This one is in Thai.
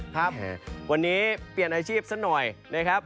ครับวันนี้เปลี่ยนอาชีพสักหน่อยนะครับ